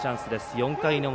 ４回の表。